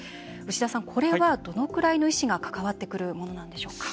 これは、どれくらいの医師が関わってくるものなんでしょうか。